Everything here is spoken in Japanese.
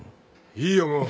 いいよもう。